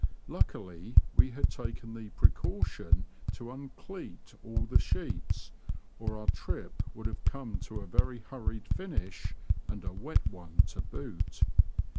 Luckily, we had taken the precaution to undeat all the sheets, or our trip would have come to a very hurried finish, and a wet one to boot.